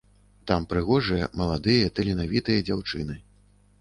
Там прыгожыя, маладыя, таленавітыя дзяўчыны.